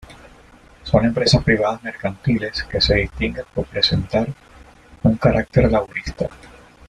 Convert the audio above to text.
Son empresas privadas mercantiles que se distinguen por presentar un carácter laboralista.